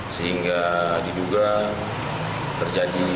sehingga diduga terjadi